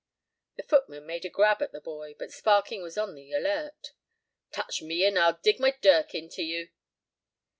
The footman made a grab at the boy, but Sparkin was on the alert. "Touch me, and I'll dig my dirk into you."